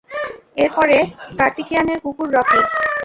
এর পরে, কার্তিকেয়ানের কুকুরঃ রকি।